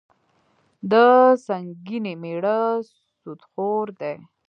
د سنګینې میړه سودخور دي.